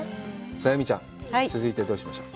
さあ映見ちゃん、続いてどうしましょう。